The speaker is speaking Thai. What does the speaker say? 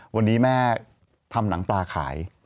วันนี้แม่ทำหนังปลาขาย